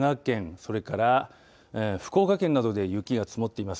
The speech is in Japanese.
それから福岡県などで雪が積もっています。